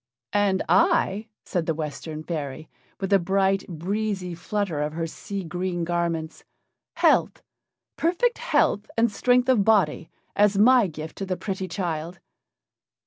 "And I," said the Western fairy, with a bright, breezy flutter of her sea green garments, "health perfect health and strength of body, as my gift to the pretty child."